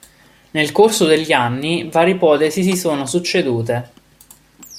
Nel corso degli anni varie ipotesi si sono succedute.